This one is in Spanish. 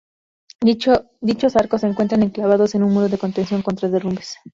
Dichos arcos se encuentran enclavados en un muro de contención contra derrumbes.